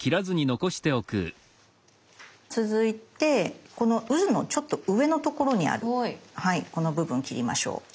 続いてこのうずのちょっと上のところにあるこの部分切りましょう。